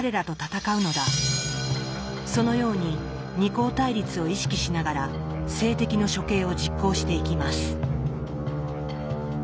そのように二項対立を意識しながら政敵の処刑を実行していきます。